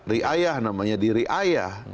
riayah namanya diri ayah